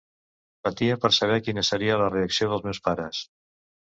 Patia per saber quina seria la reacció dels meus pares.